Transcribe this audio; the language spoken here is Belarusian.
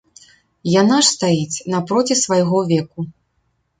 Яна ж стаіць напроці свайго веку.